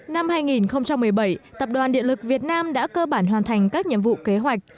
năm hai nghìn một mươi bảy tập đoàn điện lực việt nam đã cơ bản hoàn thành các nhiệm vụ kế hoạch